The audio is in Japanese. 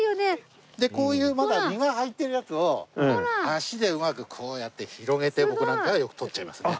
でこういうまだ実が入ってるやつを足でうまくこうやって広げて僕なんかはよくとっちゃいますね。